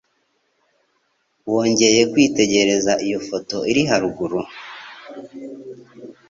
wongeye kwitegereza iyo foto iri haruguru